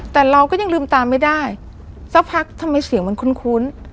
แต่เราก็ยังลืมตาไม่ได้สักพักทำไมเสียงมันคุ้น